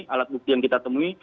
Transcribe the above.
alat bukti yang kita temui